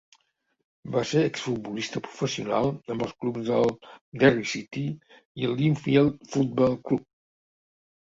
Va ser ex futbolista professional amb els clubs del Derry City i el Linfield Football Club.